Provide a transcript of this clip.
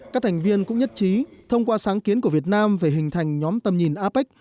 các thành viên cũng nhất trí thông qua sáng kiến của việt nam về hình thành nhóm tầm nhìn apec